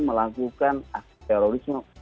melakukan aksi terorisme